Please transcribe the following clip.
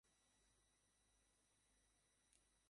তো তুমি এখান থেকে বেরোতেও জানো না?